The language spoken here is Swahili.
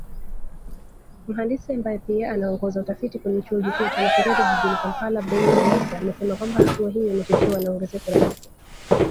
Mhandisi ambaye pia anaongoza utafiti kwenye chuo kikuu cha Makerere jijini Kampala Bain Omugisa amesema kwamba hatua hiyo imechochewa na ongezeko la vifo